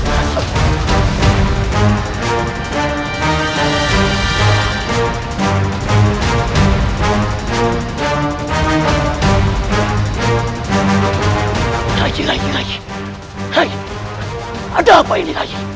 ada apa ini rai